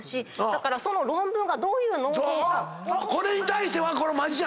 だからその論文がどういう農法か。